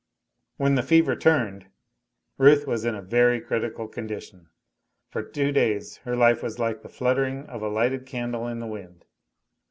When the fever turned, Ruth was in a very critical condition. For two days her life was like the fluttering of a lighted candle in the wind.